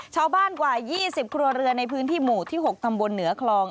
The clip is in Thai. ชาวบ้านกว่า๒๐ครัวเรือนในพื้นที่หมู่ที่๖ตำบลเหนือคลอง